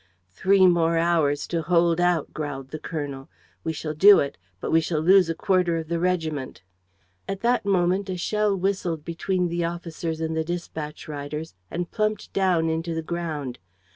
"Three more hours to hold out," growled the colonel. "We shall do it; but we shall lose a quarter of the regiment." At that moment a shell whistled between the officers and the dispatch riders and plumped down into the ground.